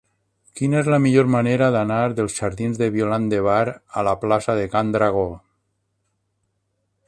Quina és la millor manera d'anar dels jardins de Violant de Bar a la plaça de Can Dragó?